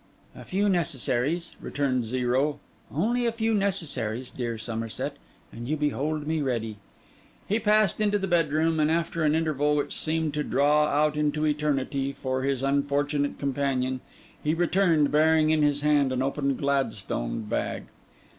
'A few necessaries,' returned Zero, 'only a few necessaries, dear Somerset, and you behold me ready.' He passed into the bedroom, and after an interval which seemed to draw out into eternity for his unfortunate companion, he returned, bearing in his hand an open Gladstone bag.